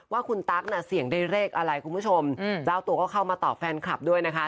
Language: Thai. ว่าคุณตั๊กน่ะเสี่ยงได้เลขอะไรคุณผู้ชมเจ้าตัวก็เข้ามาตอบแฟนคลับด้วยนะคะ